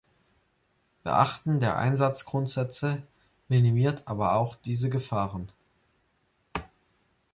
Beachten der Einsatzgrundsätze minimiert aber auch diese Gefahren.